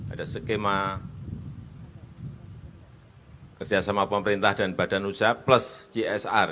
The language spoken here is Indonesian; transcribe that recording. ada skema kerjasama pemerintah dan badan usaha plus csr